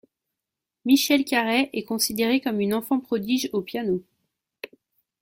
Michele Carey est considérée comme une enfant prodige au piano.